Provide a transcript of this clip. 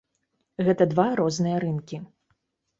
Гэта два розныя рынкі.